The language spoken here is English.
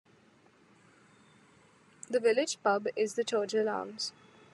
The village pub is the Churchill Arms.